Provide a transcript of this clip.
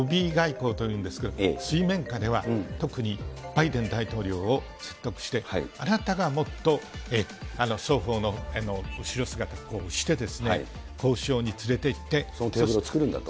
しかし一方で、ロビー外交というんですけど、水面下では、特にバイデン大統領を説得して、あなたがもっと双方の後姿を押して、そのテーブルを作るんだと？